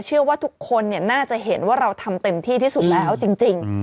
เชื่อว่าทุกคนน่าจะเห็นว่าเราทำเต็มที่ที่สุดแล้วจริง